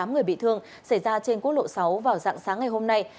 một mươi tám người bị thương xảy ra trên quốc lộ sáu vào dạng sáng ngày hôm nay